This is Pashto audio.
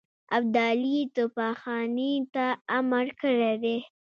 ابدالي توپخانې ته امر کړی دی.